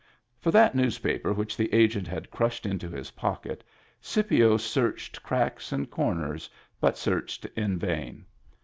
For that newspaper which the Agent had crushed into his pocket, Scipio searched cracks and corners, but searched in vain.